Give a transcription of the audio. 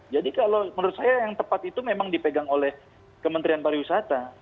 jadi kalau menurut saya yang tepat itu memang dipegang oleh kementerian pariwisata